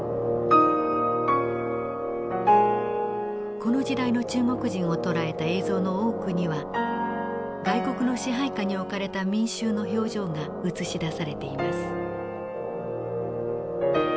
この時代の中国人をとらえた映像の多くには外国の支配下に置かれた民衆の表情が映し出されています。